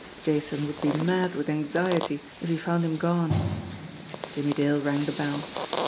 Jason would be mad with anxiety if he found him gone. Jimmie Dale rang the bell.